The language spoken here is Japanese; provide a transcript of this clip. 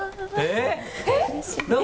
えっ？